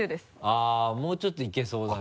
あもうちょっといけそうだね。